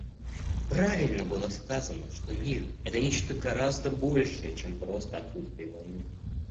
Правильно было сказано, что мир — это нечто гораздо большее, чем просто отсутствие войны.